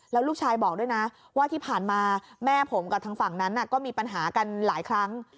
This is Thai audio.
แล้วลูกชายบอกด้วยนะว่าที่ผ่านมาแม่ผมกับทางฝั่งนั้นก็มีปัญหากันหลายครั้ง